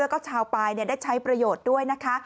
แล้วก็ชาวปลายได้ใช้ประโยชน์ด้วยนะคะ